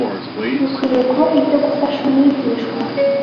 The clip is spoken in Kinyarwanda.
bikwiriye kuba ibyo gufasha umwigishwa